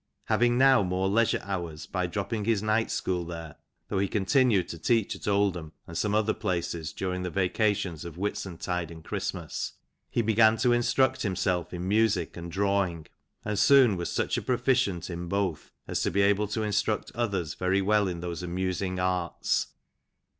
'• Having now more leisure hours by dropping his night school there, though he continued to teach at Oldham, and some other places, during the vacations of Whitsuntide and Christmas, he began to instruct himself in music and drawing, and soon was such a proficient in both as to be able to instruct others very well ia those amusing arts.